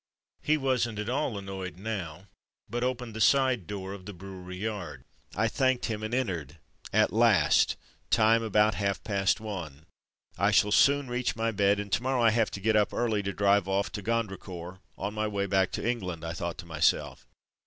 He wasn't at all annoyed now, but opened the side door of the brew ery yard. I thanked him and entered. At last! time, about half past one. ^'I shall soon reach my bed, and to morrow I have to get up early to drive off to Gondricourt, on my way back to England, '' I thought to myself.